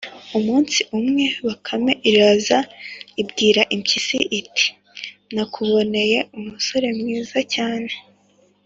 umunsi umwe bakame iraza, ibwira impyisi iti: ‘nakuboneye umusore mwiza cyane,